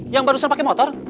yang barusan pakai motor